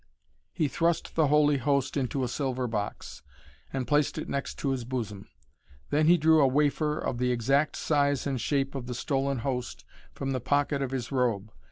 He thrust the Holy Host into a silver box, and placed it next to his bosom. Then he drew a wafer of the exact size and shape of the stolen Host from the pocket of his robe.